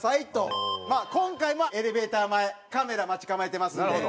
今回もエレベーター前カメラ待ち構えてますんで。